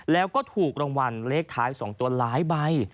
แล้วก็ถูกรางวัลเลขท้าย๒ตัวหลายใบ